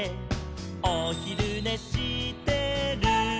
「おひるねしてる」